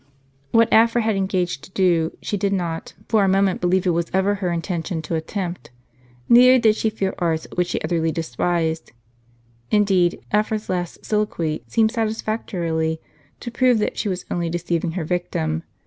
What Afra had engaged to do, she did not for a moment believe it was ever her intention to attempt ; neither did she fear arts which she utterly despised. Indeed Afra's last soliloquy seemed satis factorily to prove that she was only deceiving her victim.